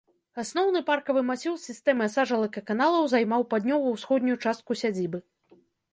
Асноўны паркавы масіў з сістэмай сажалак і каналаў займаў паўднёва-ўсходнюю частку сядзібы.